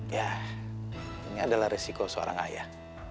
ya ini adalah resiko seorang ayah